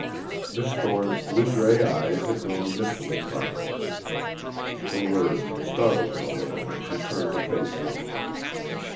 Miss Thorne's blue gray eyes had grown mistily thoughtful; the words startled her a little and she turned to face him.